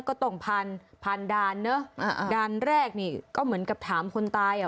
ก็ต้องผ่านผ่านด่านเนอะอ่าด่านแรกนี่ก็เหมือนกับถามคนตายอ่ะ